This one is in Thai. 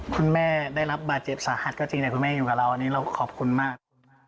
คุณแม่ได้รับบาดเจ็บสาหัสก็จริงแต่คุณแม่อยู่กับเราอันนี้เราขอบคุณมาก